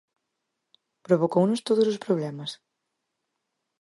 ¿Provocounos todos os problemas?